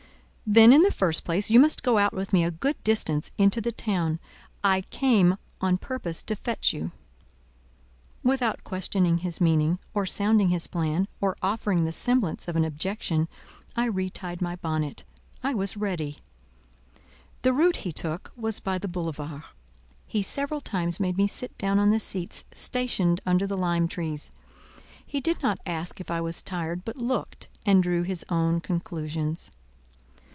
"Then, in the first place, you must go out with me a good distance into the town. I came on purpose to fetch you." Without questioning his meaning, or sounding his plan, or offering the semblance of an objection, I re tied my bonnet: I was ready. The route he took was by the boulevards: he several times made me sit down on the seats stationed under the lime trees; he did not ask if I was tired, but looked, and drew his own conclusions.